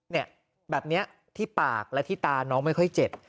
เนี่ยแบบนี้ที่ปากและที่ตาน้องไม่ค่อยเจ็บ